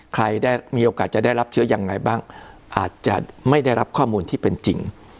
ใครได้มีโอกาสจะได้รับเชื้อยังไงบ้างอาจจะไม่ได้รับข้อมูลที่เป็นจริง